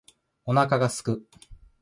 お腹が空く